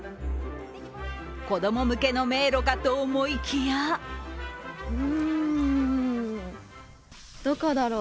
子供向けの迷路かと思いきやうーん、どこだろう？